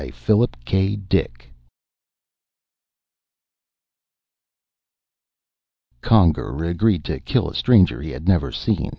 net _Conger agreed to kill a stranger he had never seen.